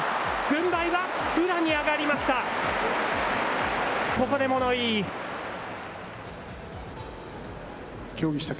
軍配は、宇良に上がりました。